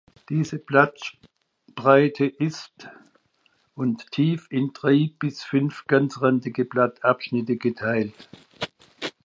Diese Blattspreite ist und tief in drei bis fünf ganzrandige Blattabschnitte geteilt.